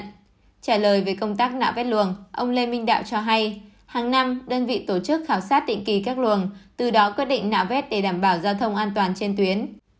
trả lời về công tác nạo vét luồng ông lê minh đạo cho hay hàng năm đơn vị tổ chức khảo sát định kỳ các luồng từ đó quyết định nạo vét để đảm bảo giao thông an toàn trên tuyến